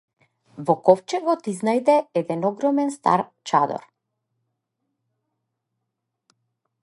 Во ковчегот изнајде еден огромен стар чадор.